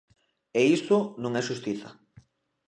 E iso non é xustiza.